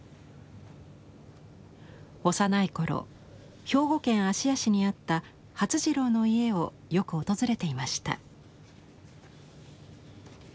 幼い頃兵庫県芦屋市にあった發次郎の家をよく訪れていました。